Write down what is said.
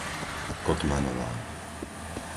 Kotmanová